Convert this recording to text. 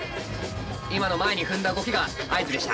今の前に踏んだ動きが合図でした。